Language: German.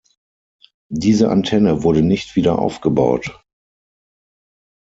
Diese Antenne wurde nicht wieder aufgebaut.